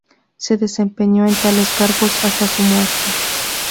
Se desempeñó en tales cargos hasta su muerte.